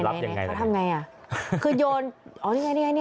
นี่เขาทำยังไงคือโยน